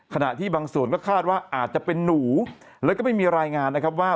ขณะที่บางส่วนก็คาดว่าอาจจะเป็นหนูแล้วก็ไม่มีรายงานนะครับว่า